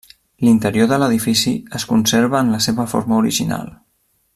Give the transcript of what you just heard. L'interior de l'edifici es conserva en la seva forma original.